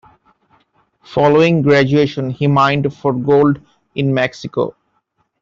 Following graduation he mined for gold in Mexico.